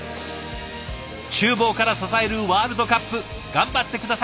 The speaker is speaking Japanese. ちゅう房から支えるワールドカップ頑張って下さい。